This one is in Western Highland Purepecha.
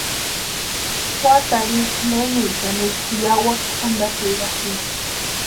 Juatarhu ísï menichani ísï yawakwa antatsirasïnti.